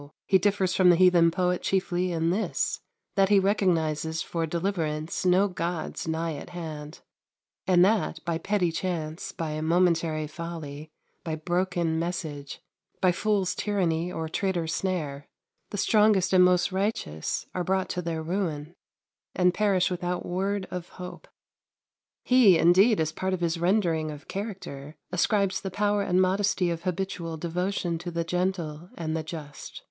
He differs from the heathen poet chiefly in this, that he recognizes for deliverance no gods nigh at hand, and that, by petty chance, by momentary folly, by broken message, by fool's tyranny, or traitor's snare, the strongest and most righteous are brought to their ruin, and perish without word of hope. He, indeed, as part of his rendering of character, ascribes the power and modesty of habitual devotion to the gentle and the just.